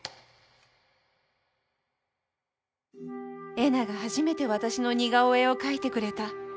「えなが初めて私の似顔絵を描いてくれた。